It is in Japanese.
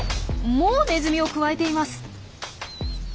もうネズミをくわえています。